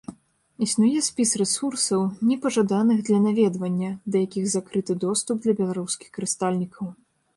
Існуе спіс рэсурсаў, непажаданых для наведвання, да якіх закрыты доступ для беларускіх карыстальнікаў.